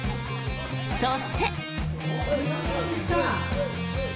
そして。